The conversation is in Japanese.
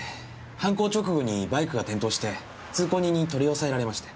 犯行直後にバイクが転倒して通行人に取り押さえられまして。